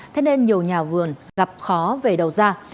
thế nên nhiều nhà vườn gặp khó về đầu ra